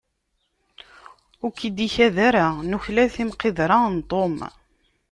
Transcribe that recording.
Ur k-d-ikad ara nuklal timqidra n Tom?